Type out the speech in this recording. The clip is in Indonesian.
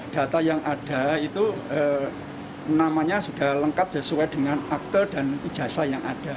data yang ada itu namanya sudah lengkap sesuai dengan akte dan ijazah yang ada